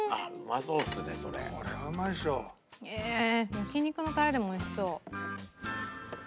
焼肉のタレでも美味しそう。